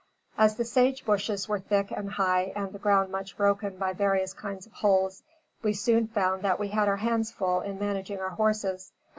As the sage bushes were thick and high and the ground much broken by various kind of holes, we soon found that we had our hands full in managing our horses.